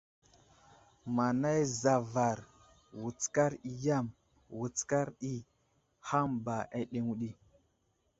Manay zavar, wutskar i yam, wutskar ɗi, hàm ba aɗeŋw ɗi.